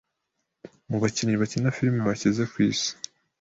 mu bakinnyi bakina filimi bakize ku isi